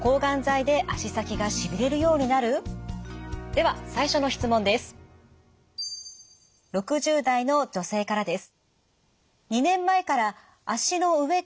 では最初の質問です。